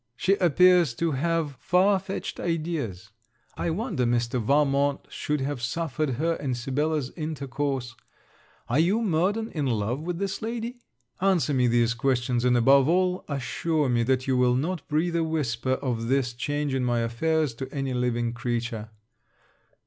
She appears to have far fetched ideas. I wonder Mr. Valmont should have suffered her and Sibella's intercourse. Are you, Murden, in love with this lady? Answer me these questions, and above all, assure me that you will not breathe a whisper of this change in my affairs to any living creature.